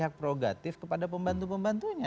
hak prerogatif kepada pembantu pembantunya